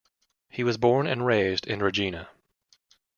He was born and raised in Regina.